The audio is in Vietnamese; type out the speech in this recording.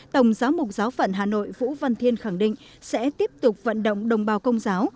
tổng giáo mục giáo phận hà nội vũ văn thiên khẳng định sẽ tiếp tục vận động đồng bào công giáo